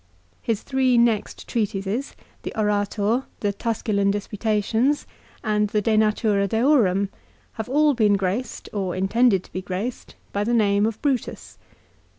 His three next treatises, the "Orator," the " Tusculan Disquisi tions," and the "De Natura Deorum," have all been graced, or intended to be graced, by the name of Brutus.